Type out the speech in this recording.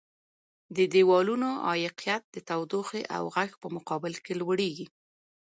د دیوالونو عایقیت د تودوخې او غږ په مقابل کې لوړیږي.